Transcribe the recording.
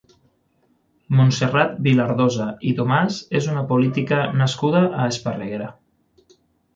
Montserrat Vilardosa i Tomàs és una política nascuda a Esparreguera.